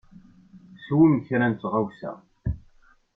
Swem kra n tɣawsa.